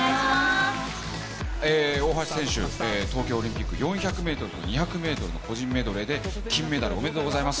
大橋選手、東京オリンピック４００ｍと２００ｍの個人メドレーで金メダルおめでとうございます。